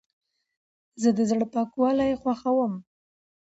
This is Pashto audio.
زه د زړه پاکوالی خوښوم.